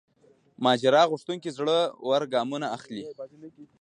ماجرا غوښتونکو زړه ور ګامونه واخلي.